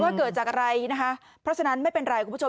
เกิดจากอะไรนะคะเพราะฉะนั้นไม่เป็นไรคุณผู้ชม